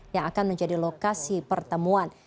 yang akan menjadi lokasi pertemuan